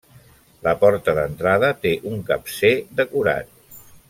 La porta d'entrada té un capcer decorat.